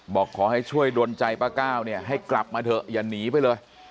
บอกขอให้ช่วยดนใจป้าก้าวเนี่ยให้กลับมาเถอะอย่าหนีไปเลย